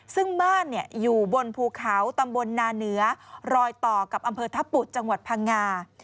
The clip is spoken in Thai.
ซึ่งบ้านอยู่บนภูเขาตำบลนาเหนือรอยต่อกับอำเภอทะปุจังหวัดพังงา